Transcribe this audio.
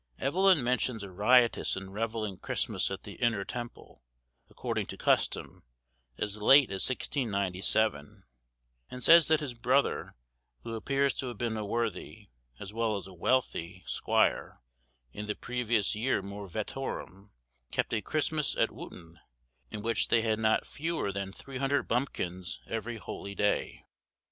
Evelyn mentions a riotous and revelling Christmas at the Inner Temple, according to custom, as late as 1697, and says that his brother, who appears to have been a worthy, as well as a wealthy, squire, in the previous year more veterum, kept a Christmas at Wotton, in which they had not fewer than 300 bumpkins every holyday.